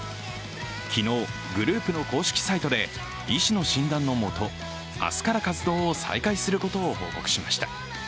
昨日、グループの公式サイトで医師の診断のもと、明日から活動を再開することを報告しました。